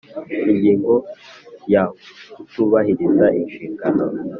Ingingo ya kutubahiriza inshingano